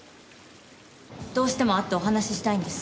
どうしても会ってお話ししたいんです。